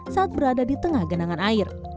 saat berada di tengah genangan air